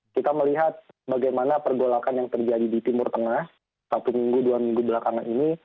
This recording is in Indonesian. kita melihat bagaimana pergolakan yang terjadi di timur tengah satu minggu dua minggu belakangan ini